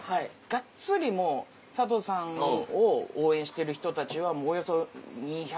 がっつりもう佐藤さんを応援してる人たちはおよそ。